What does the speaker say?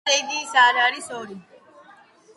ესე იგი, არ არის ორი.